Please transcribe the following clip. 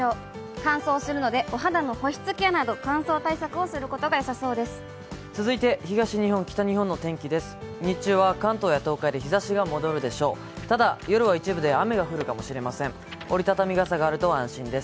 乾燥するのでお肌の保湿ケアなど乾燥対策をすることがよさそうです。